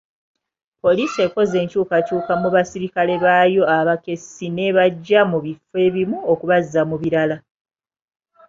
Poliisi ekoze enkyukakyuka mu basirikale baayo abakessi n'ebajja mu bifo ebimu okubazza mu birala.